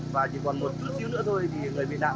và chỉ còn một chút nữa thôi thì người bị nạn